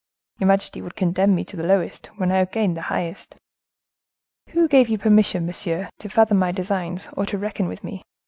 Your majesty would condemn me to the lowest, when I have gained the highest?" "Who gave you permission, monsieur, to fathom my designs, or to reckon with me?"